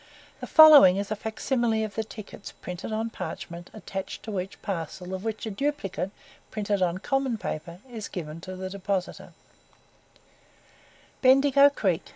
The following is a facsimile of the tickets, printed on parchment, attached to each parcel of which a duplicate, printed on common paper, is given to the depositor: BENDIGO CREEK.